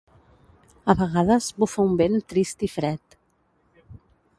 A vegades bufa un vent trist i fred.